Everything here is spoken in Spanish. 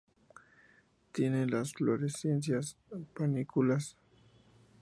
Tiene las inflorescencias en panículas.